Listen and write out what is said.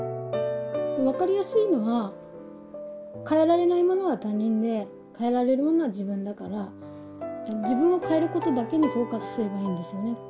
分かりやすいのは変えられないものは他人で変えられるものは自分だから自分を変えることだけにフォーカスすればいいんですよね。